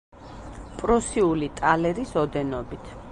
პრუსიული ტალერის ოდენობით.